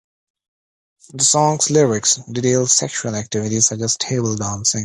The song's lyrics detail sexual activities such as table dancing.